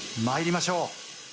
まいりましょう。